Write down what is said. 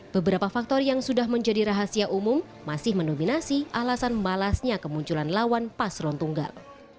beberapa faktor yang sudah menjadi rahasia umum masih mendominasi alasan malasnya kemunculan lawan paslon tunggal